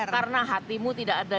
karena hatimu tidak ada